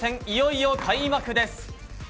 いよいよ開幕です！